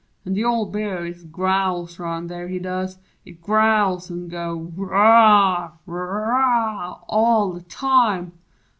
An' the old Bear Ist growls 'round there, he does ist growls an' goes "Wooh! woo ooh!" all the time!